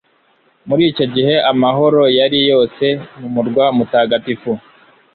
muri icyo gihe amahoro yari yose mu murwa mutagatifu